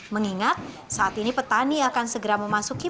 mengingat saat ini petani akan segera memasuki